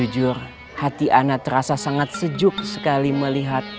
jadi jujur hati anak terasa sangat sejuk sekali melihat